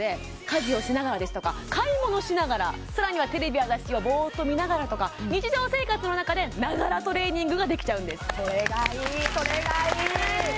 家事をしながらですとか買い物しながらさらにはテレビや雑誌をぼーっと見ながらとか日常生活の中でながらトレーニングができちゃうんですそれがいいそれがいい！